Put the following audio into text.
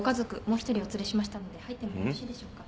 もう１人お連れしましたので入ってもよろしいでしょうか？